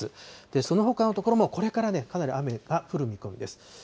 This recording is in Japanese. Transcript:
そのほかの所も、これからかなり雨が降る見込みです。